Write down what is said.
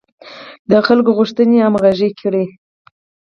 د خلکو غوښتنې همغږې کړي.